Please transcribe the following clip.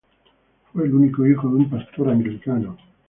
Fue el único hijo de un pastor anglicano.